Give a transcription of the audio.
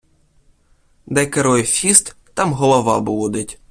Де керує фіст, там голова блудить.